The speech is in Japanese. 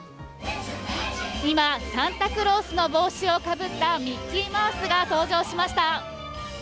今、サンタクロースの帽子をかぶったミッキーマウスが登場しました。